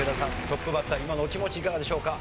トップバッター今のお気持ちいかがでしょうか？